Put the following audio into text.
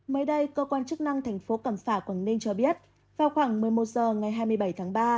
mới đây cơ quan chức năng tp cầm phà quảng ninh cho biết vào khoảng một mươi một h ngày hai mươi bảy tháng ba